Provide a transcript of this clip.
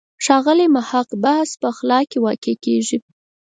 ښاغلي محق بحث په خلا کې واقع کېږي.